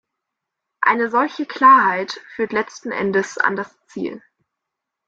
Eine solche Klarheit führt letzten Endes an das Ziel.